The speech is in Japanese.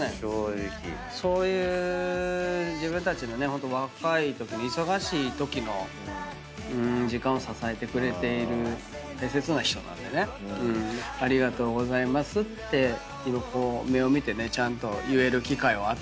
ホント若いとき忙しいときの時間を支えてくれている大切な人なんでねありがとうございますって今こう目を見てねちゃんと。